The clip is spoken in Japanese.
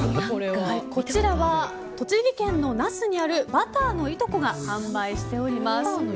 こちらは栃木県の那須にあるバターのいとこが販売しております。